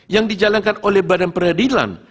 yang dijalankan oleh badan peradilan